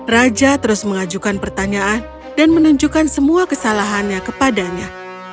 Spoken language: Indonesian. raja terus mengajukan pertanyaan dan menunjukkan semua kesalahannya kepadanya